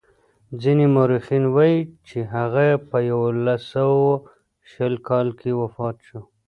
ځینې مورخین وايي چې هغه په یوولس سوه شل کال کې وفات شو.